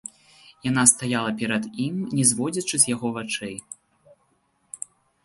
Яна стаяла перад ім, не зводзячы з яго вачэй.